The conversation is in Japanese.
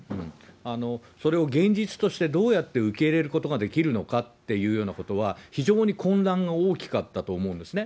それを現実としてどうやって受け入れることができるのかっていうようなことは、非常に混乱が大きかったと思うんですね。